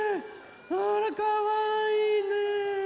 あらかわいいね。